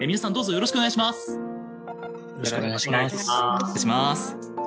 よろしくお願いします。